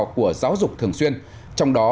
của giáo dục thường xuyên trong đó